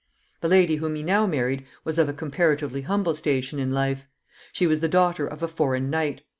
The lady whom he now married was of a comparatively humble station in life. She was the daughter of a foreign knight.